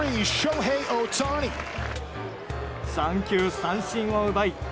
３球三振を奪い